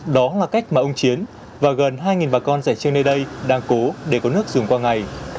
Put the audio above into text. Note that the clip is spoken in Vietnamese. đó là cách mà ông chiến và gần hai bà con rẻ trên nơi đây đang cố để có nước dùng qua ngày